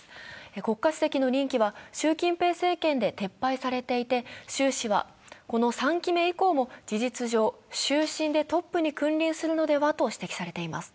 国家主席の任期は習近平政権で撤廃されていて、習氏はこの３期目以降も事実上、終身でトップに君臨するのではと言われています。